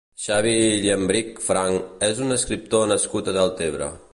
Xavi Llambrich Franch és un escriptor nascut a Deltebre.